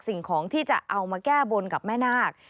สิ่งของที่จะเอามาแก้บนกับแม่นาค